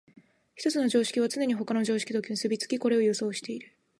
一つの常識はつねに他の常識と結び付き、これを予想している。